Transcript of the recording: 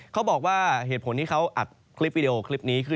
เขาบอกว่าเหตุผลที่เขาอัดคลิปวิดีโอคลิปนี้คือ